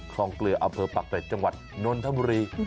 คลองเกลืออำเภอปากเกร็จจังหวัดนนทบุรี